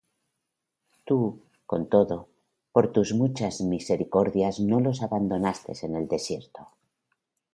Tú, con todo, por tus muchas misericordias no los abandonaste en el desierto: